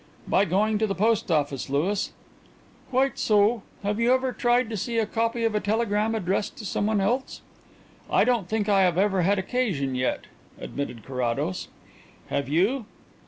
"By going to the post office, Louis." "Quite so. Have you ever tried to see a copy of a telegram addressed to someone else?" "I don't think I have ever had occasion yet," admitted Carrados. "Have you?"